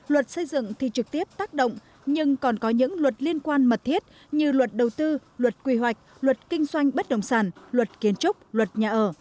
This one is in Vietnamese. luật xây dựng thì trực tiếp tác động nhưng còn có những luật liên quan mật thiết như luật đầu tư luật quy hoạch luật kinh doanh bất đồng sản luật kiến trúc luật nhà ở